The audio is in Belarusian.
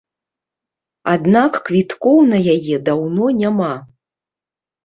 Аднак квіткоў на яе даўно няма.